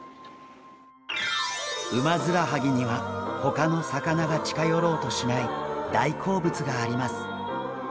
ウマヅラハギには他の魚が近寄ろうとしない大好物があります。